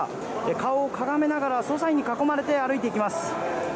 顔をかがめながら捜査員に囲まれて歩いていきます。